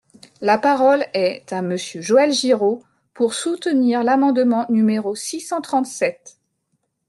La parole est à Monsieur Joël Giraud, pour soutenir l’amendement numéro six cent trente-sept.